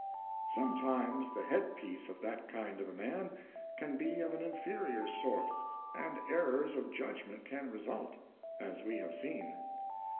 Sometimes the head piece of that kind of a man can be of an inferior sort, and errors of judgment can result — as we have seen.